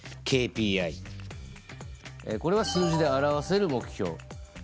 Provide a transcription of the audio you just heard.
えこれは数字で表せる目標。